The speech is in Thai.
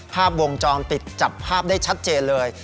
ภาพวงจรปิดจับภาพได้ชัดเจนเลย